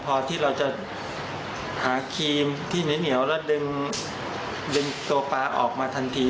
พอที่เราจะหาครีมที่เหนียวแล้วดึงตัวปลาออกมาทันที